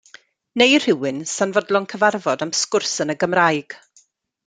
Neu rhywun sa'n fodlon cyfarfod am sgwrs yn Gymraeg?